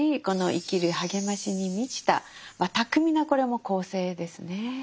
この生きる励ましに満ちた巧みなこれも構成ですね。